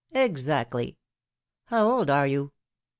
Exactly." How old are you